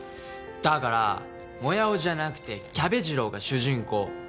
だからモヤオじゃなくてキャベ次郎が主人公！